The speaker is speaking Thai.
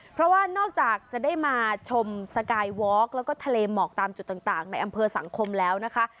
เพราะว่านอกจากจะได้มาชมสกายวอล์กแล้วก็ทะเลหมอกตามจุดต่างในอำเภอสังคมแล้วนะคะ